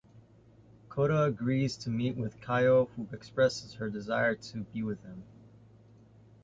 Kota agrees to meet with Kayo who expresses her desire to be with him.